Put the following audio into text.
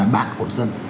bạn của dân